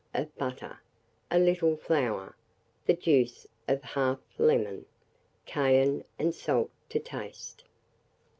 of butter, a little flour, the juice of 1/2 lemon, cayenne and salt to taste.